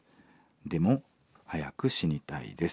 でも早く死にたいです。